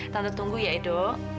tante tunggu ya edo